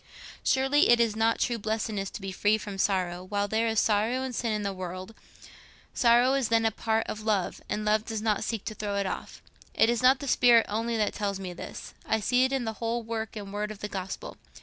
Surely it is not true blessedness to be free from sorrow, while there is sorrow and sin in the world: sorrow is then a part of love, and love does not seek to throw it off. It is not the spirit only that tells me this—I see it in the whole work and word of the Gospel.